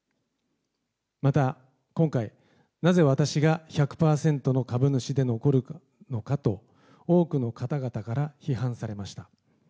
また、今回、なぜ私が１００％の株主で残るのかと多くの方々から批判されました。